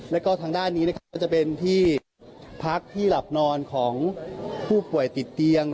แล้วก็ทางด้านนี้นะครับก็จะเป็นที่พักที่หลับนอนของผู้ป่วยติดเตียง